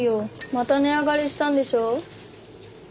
また値上がりしたんでしょ。